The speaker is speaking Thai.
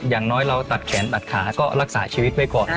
อย่างน้อยเราตัดแขนตัดขาก็รักษาชีวิตไว้ก่อน